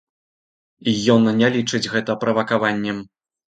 Ён не лічыць гэта правакаваннем.